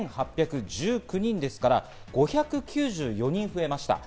先週の木曜日が１８１９人ですから、５９４人増えました。